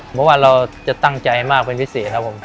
เพราะว่าเราจะตั้งใจมากเป็นพิเศษครับผม